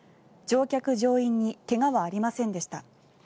乗客・乗員に怪我はありませんでした。